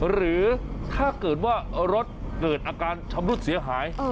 หรือถ้าเกิดว่ารถเกิดอาการชำรุดเสียหาย